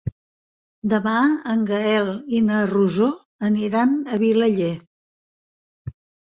Demà en Gaël i na Rosó aniran a Vilaller.